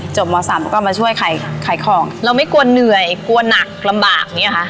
จบม้อสามแล้วก็มาช่วยขายขายของเราไม่กลัวเหนื่อยกลัวหนักลำบากมั้ยคะ